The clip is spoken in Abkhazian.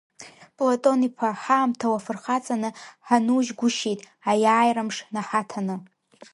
Платон-иԥа, ҳаамҭа уафырхаҵаны, ҳанужьгәышьеит, аиааирамш наҳаҭаны…